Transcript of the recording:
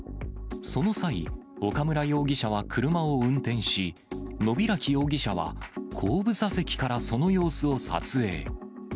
その際、岡村容疑者は車を運転し、野開容疑者は後部座席からその様子を撮影。